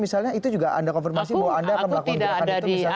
misalnya itu juga anda konfirmasi bahwa anda akan melakukan gerakan itu misalnya